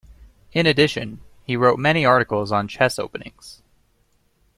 In addition, he wrote many articles on chess openings.